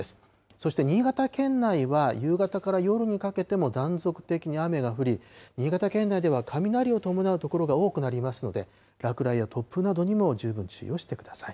そして新潟県内は、夕方から夜にかけても断続的に雨が降り、新潟県内では雷を伴う所が多くなりますので、落雷や突風などにも十分注意をしてください。